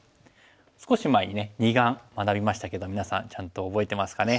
少し前にね二眼学びましたけど皆さんちゃんと覚えてますかね。